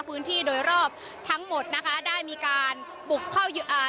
พื้นที่โดยรอบทั้งหมดนะคะได้มีการบุกเข้าอ่า